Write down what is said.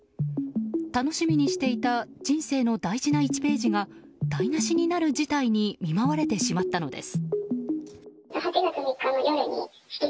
楽しみにしていた人生の大事な１ページが台無しになる事態に見舞われてしまったのです。